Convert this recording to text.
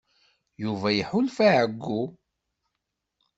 Yuba iḥulfa i ɛeyyu.